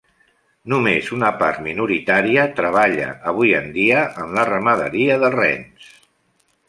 Només una part minoritària treballa avui en dia en la ramaderia de rens.